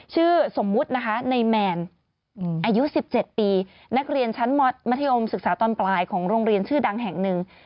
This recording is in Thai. ชื่อสมมุตินะคะในแมนอายุ๑๗ปีนักเรียนชั้นมัธยมศึกษาตอนปลายของโรงเรียนชื่อดังแห่งหนึ่ง